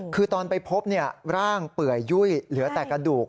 คือตอนไปพบร่างเปื่อยยุ่ยเหลือแต่กระดูก